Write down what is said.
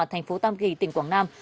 thành phố tam kỳ tỉnh quảng nam